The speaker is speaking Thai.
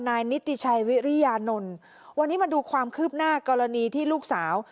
นิติชัยวิริยานนท์วันนี้มาดูความคืบหน้ากรณีที่ลูกสาว